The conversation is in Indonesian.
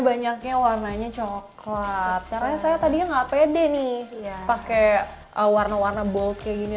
banyaknya warnanya coklat karena saya tadi nggak pede nih pakai warna warna bolk kayak gini